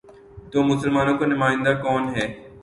تو مسلمانوں کا نمائندہ کون ہے؟